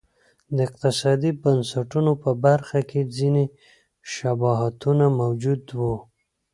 د اقتصادي بنسټونو په برخه کې ځیني شباهتونه موجود و.